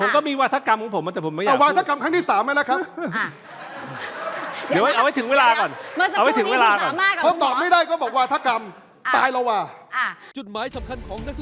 ผมก็มีวาธกรรมของผมแต่ผมไม่อยากพูดเอาวาธกรรมครั้งที่๓มาแล้วครับ